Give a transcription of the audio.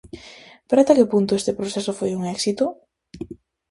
Pero ata que punto este proceso foi un éxito?